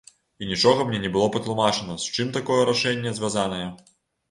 І нічога мне не было патлумачана, з чым такое рашэнне звязанае.